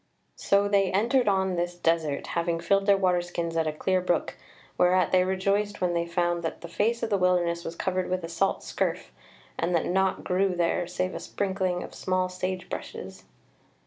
So they entered on this desert, having filled their water skins at a clear brook, whereat they rejoiced when they found that the face of the wilderness was covered with a salt scurf, and that naught grew there save a sprinkling of small sage bushes.